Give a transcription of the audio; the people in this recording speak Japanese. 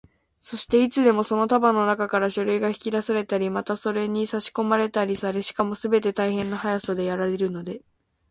そして、いつでもその束のなかから書類が引き出されたり、またそれにさしこまれたりされ、しかもすべて大変な速さでやられるので、